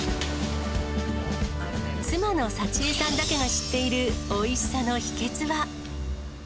妻の幸枝さんだけが知っている、おいしさの秘けつは。